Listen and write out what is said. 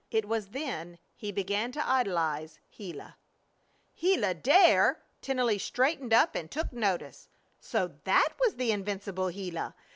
It was then he began to idealize Gila. "Gila Dare!" Tennelly straightened up and took notice. So that was the invincible Gila!